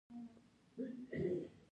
ایا ستاسو فال به ښه وي؟